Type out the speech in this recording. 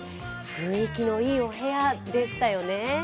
雰囲気のいいお部屋でしたね。